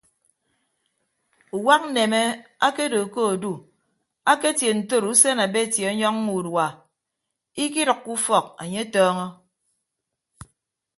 Uwak nneme akedo ke odu aketie ntoro usen abeti ọnyọññọ urua idʌkkọdʌk ufọk anye atọọñọ.